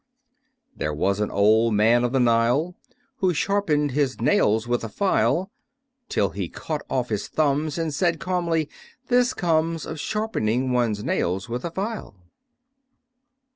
There was an Old Man of the Nile, Who sharpened his nails with a file, Till he cut off his thumbs, and said calmly, "This comes Of sharpening one's nails with a file!"